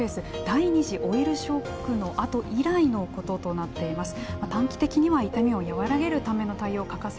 第２次オイルショックのあと以来のこととなっています。